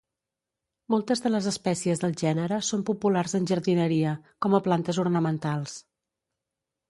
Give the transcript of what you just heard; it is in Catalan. Moltes de les espècies del gènere són populars en jardineria, com a plantes ornamentals.